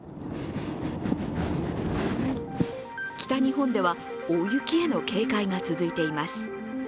北日本では大雪への警戒が続いています。